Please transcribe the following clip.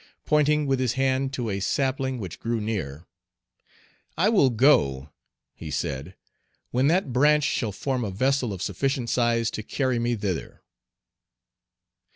Pointing with his hand to a sapling which grew near "I will go," he said, "when that branch shall form a vessel of sufficient size to carry me thither."